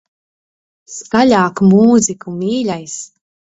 Skaļāk mūziku, mīļais.